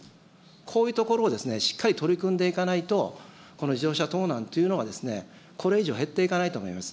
こういうところをしっかり取り組んでいかないと、この自動車盗難というのは、これ以上減っていかないと思います。